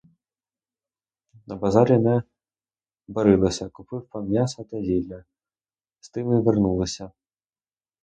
На базарі не барилися: купив пан м'яса та зілля, з тим і вернулися.